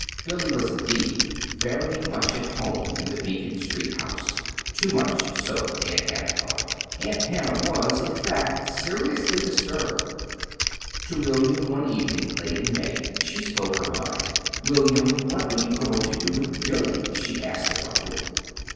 Billy was, indeed, very much at home in the Beacon Street house too much so, Aunt Hannah thought. Aunt Hannah was, in fact, seriously disturbed. To William one evening, late in May, she spoke her mind. "William, what are you going to do with Billy?" she asked abruptly.